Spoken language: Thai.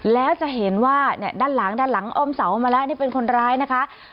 แล้วจะเห็นว่าเนี่ยด้านหลังด้านหลังอ้อมเสามาแล้วนี่เป็นคนร้ายนะคะ